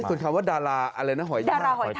ส่วนคำว่าดาราอะไรนะหอยย่าหอย